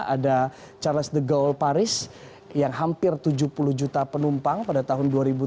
ada charles de gold paris yang hampir tujuh puluh juta penumpang pada tahun dua ribu tujuh belas